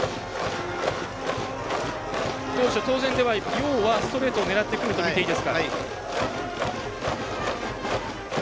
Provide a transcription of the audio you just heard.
陽はストレートを狙ってくるとみていいですか？